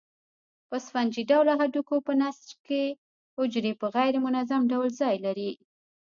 په سفنجي ډوله هډوکو په نسج کې حجرې په غیر منظم ډول ځای لري.